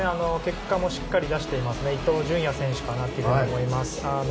結果もしっかり出しています伊東純也選手かなと思います。